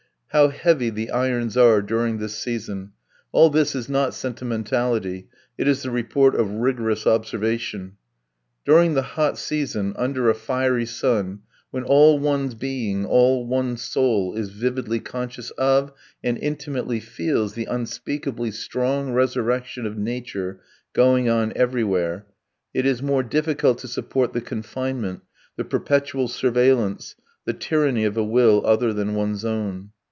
How heavy the irons are during this season! All this is not sentimentality, it is the report of rigorous observation. During the hot season, under a fiery sun, when all one's being, all one's soul, is vividly conscious of, and intimately feels, the unspeakably strong resurrection of nature going on everywhere, it is more difficult to support the confinement, the perpetual surveillance, the tyranny of a will other than one's own.